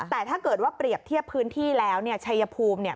แต่ถ้าเกิดว่าเปรียบเทียบพื้นที่แล้วเนี่ยชายภูมิเนี่ย